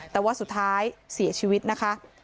แต่ว่าสุดท้ายเสียชีวิตนะคะ